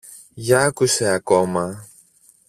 Για άκουσε ακόμα.